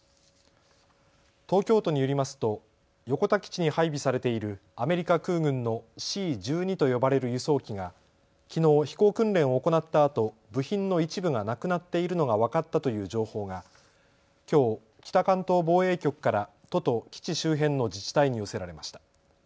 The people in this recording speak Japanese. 東京都によりますと横田基地に配備されているアメリカ空軍のＣ−１２と呼ばれる輸送機がきのう飛行訓練を行ったあと部品の一部がなくなっているのが分かったという情報がきょう、北関東防衛局から都と基地周辺の自治体に寄せられました。